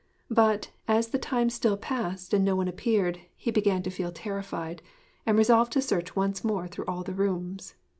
But, as the time still passed and no one appeared, he began to feel terrified, and resolved to search once more through all the rooms....